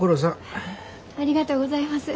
ありがとうございます。